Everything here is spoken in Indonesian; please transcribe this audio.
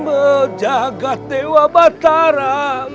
berjaga dewa batara